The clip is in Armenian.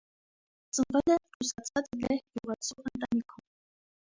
Ծնվել է ռուսացած լեհ գյուղացու ընտանիքում։